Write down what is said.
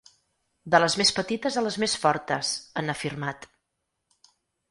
De les més petites a les més fortes, han afirmat.